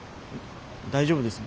大丈夫です